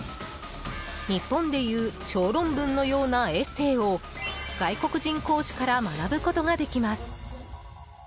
日本でいう小論文のようなエッセーを外国人講師から学ぶことができます。